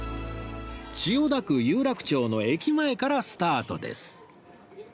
千代田区有楽町の駅前からスタートです